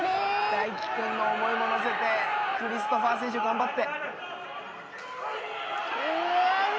泰輝君の思いも乗せてクリストファー選手頑張って。